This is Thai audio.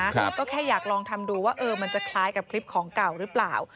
ก็แค่อยากลองทำดูว่าเออมันจะคล้ายกับคลิปของเก่าหรือเปล่า